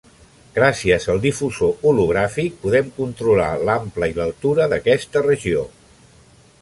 Gràcies al difusor hologràfic podem controlar l'ample i l'altura d'aquesta regió.